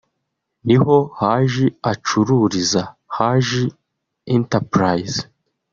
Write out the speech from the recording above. ni ho Haji acururiza “Haji Enterprise”